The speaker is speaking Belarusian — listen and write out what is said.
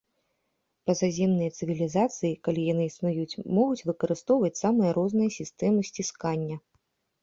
Пазаземныя цывілізацыі, калі яны існуюць, могуць выкарыстоўваць самыя розныя сістэмы сціскання.